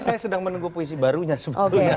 saya sedang menunggu puisi barunya sebetulnya